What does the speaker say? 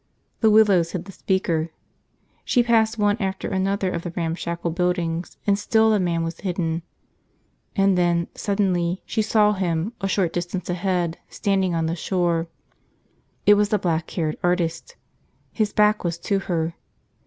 The willows hid the speaker. She passed one after another of the ramshackle buildings and still the man was hidden. And then, suddenly, she saw him a short distance ahead, standing on the shore. It was the black haired artist. His back was to her.